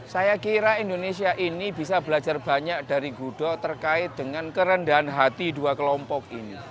saya kira indonesia ini bisa belajar banyak dari gudo terkait dengan kerendahan hati dua kelompok ini